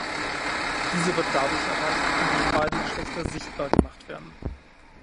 Diese wird dadurch erreicht, indem beide Geschlechter „sichtbar“ gemacht werden.